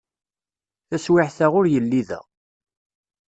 Taswiɛt-a ur yelli da.